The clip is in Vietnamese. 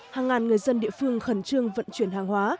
hàng ngàn người dân địa phương khẩn trương vận chuyển hàng hóa